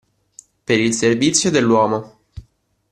Per il servizio dell'uomo.